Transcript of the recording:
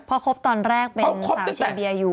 เพราะคบตอนแรกเป็นคบสาวเชียร์เบียอยู่